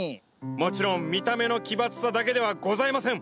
もちろん見た目の奇抜さだけではございません。